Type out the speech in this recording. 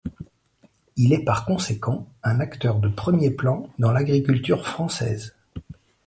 Il est, par conséquent, un acteur de premier plan dans l'agriculture française.